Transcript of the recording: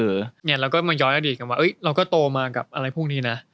เราก็มาย้อนอดีตกันว่าเราก็โตมากับอะไรพวกนี้นะ